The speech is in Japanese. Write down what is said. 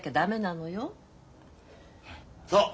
そう。